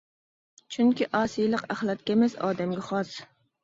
چۈنكى ئاسىيلىق ئەخلەتكە ئەمەس، ئادەمگە خاس.